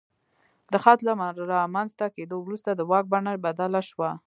د خط له رامنځته کېدو وروسته د واک بڼه بدله شوه.